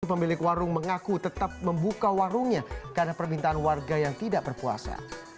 pemilik warung mengaku tetap membuka warungnya karena permintaan warga yang tidak berpuasa